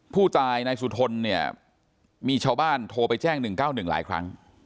ผู้ตายนายสุทนเนี่ยมีชาวบ้านโทรไปแจ้ง๑๙๑หลายครั้ง